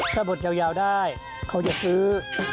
ถ้าบดยาวได้เขาจะซื้อ